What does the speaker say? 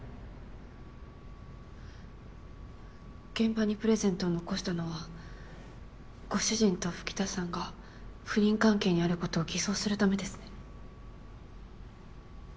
現場にプレゼントを残したのはご主人と吹田さんが不倫関係にあることを偽装するためですね？